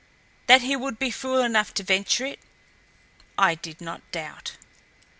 That he would be fool enough to venture it, I did not doubt.